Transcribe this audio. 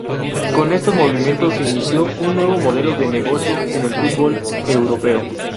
Con estos movimientos se inició un nuevo modelo de negocio en el fútbol europeo.